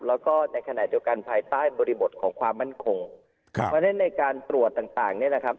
แล้วก็ในขณะเดียวกันภายใต้บริบทของความมั่นคงครับเพราะฉะนั้นในการตรวจต่างต่างเนี่ยนะครับ